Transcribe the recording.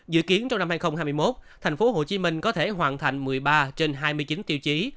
dự kiến trong năm hai nghìn hai mươi một thành phố hồ chí minh có thể hoàn thành một mươi ba trên hai mươi chín tiêu chí